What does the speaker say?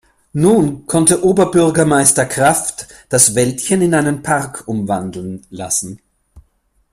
Nun konnte Oberbürgermeister Krafft das Wäldchen in einen Park umwandeln lassen.